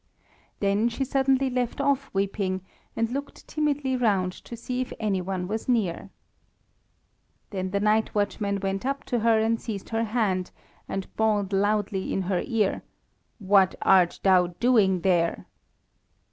Then she suddenly left off weeping, and looked timidly round to see if any one was near. Then the night watchman went up to her and seized her hand, and bawled loudly in her ear, "What art thou doing there?"